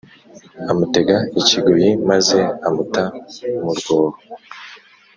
Amutega ikigoyi maze amuta mu rwobo